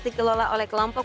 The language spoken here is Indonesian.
dikelola oleh kelompok